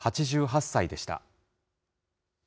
８８歳でした。